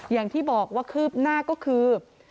อย่างที่บอกว่าคืบหน้าก็คือ